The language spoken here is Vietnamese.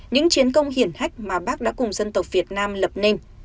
những chiến công hiển hách mà bác đã cùng dân tộc việt nam lập nên